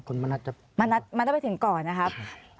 คุณมะนัดมะนัดมะนัดจะไปถึงก่อนนะครับ